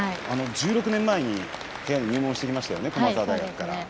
１６年前に部屋に入門してきましたよね駒澤大学から。